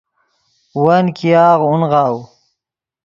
ون ګیاغ اونغاؤ